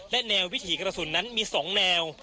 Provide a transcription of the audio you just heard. และแนววิถีกระสุนนั้นมี๒แนว